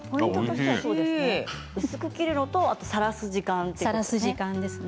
薄く切るのとさらす時間ですね。